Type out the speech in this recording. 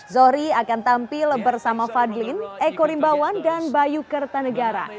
zohri akan tampil bersama fadlin eko rimbawan dan bayu kertanegara